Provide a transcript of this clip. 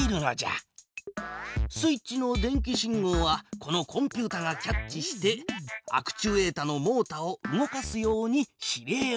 スイッチの電気信号はこのコンピュータがキャッチしてアクチュエータのモータを動かすように指令を出す。